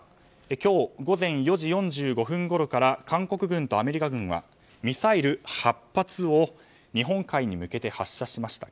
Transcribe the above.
今日午前４時４５分ごろから韓国軍とアメリカ軍はミサイル８発を日本海に向けて発射しました。